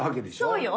そうよ。